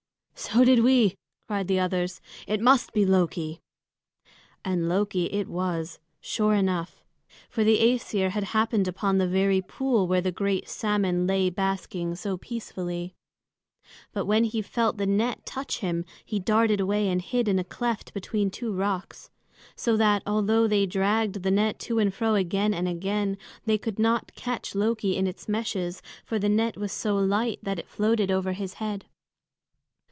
"So did we!" cried the others. "It must be Loki!" And Loki it was, sure enough; for the Æsir had happened upon the very pool where the great salmon lay basking so peacefully. But when he felt the net touch him, he darted away and hid in a cleft between two rocks. So that, although they dragged the net to and fro again and again, they could not catch Loki in its meshes; for the net was so light that it floated over his head.